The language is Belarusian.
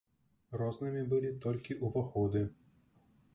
Рознымі былі толькі ўваходы.